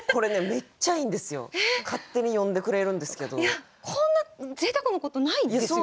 いやこんなぜいたくなことないですよね。